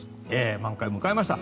満開を迎えました。